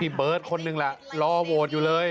พี่เบิร์ตคนนึงล่ะรอโหวตอยู่เลย